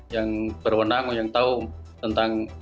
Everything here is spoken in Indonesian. yang berwenang yang tahu tentang